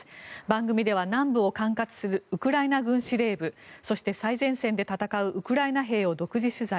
番組では南部を管轄するウクライナ軍司令部そして、最前線で戦うウクライナ兵を独自取材。